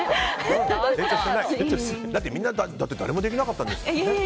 だって、みんな誰もできなかったんですから。